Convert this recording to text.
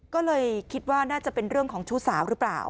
ก็เลยคิดว่าน่าจะเป็นเรื่องของชู้สาวหรือเปล่า